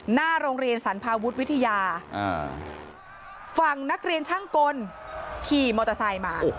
หน้าโรงเรียนสรรพาวุฒิวิทยาฝั่งนักเรียนช่างกลขี่มอเตอร์ไซค์มา